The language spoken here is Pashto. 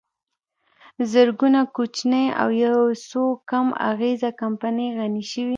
زرګونه کوچنۍ او یوڅو کم اغېزه کمپنۍ غني شوې